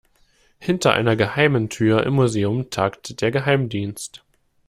Hinter einer geheimen Tür im Museum tagt der Geheimdienst.